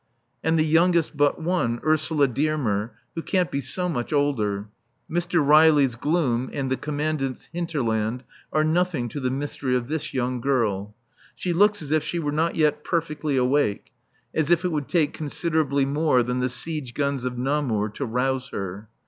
And the youngest but one, Ursula Dearmer, who can't be so much older Mr. Riley's gloom and the Commandant's hinterland are nothing to the mystery of this young girl. She looks as if she were not yet perfectly awake, as if it would take considerably more than the siege guns of Namur to rouse her.